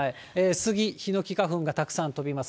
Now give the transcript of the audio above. スギ、ヒノキ花粉がたくさん飛びます。